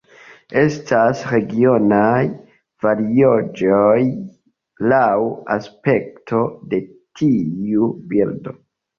Estas regionaj variaĵoj laŭ aspekto de tiu birdo.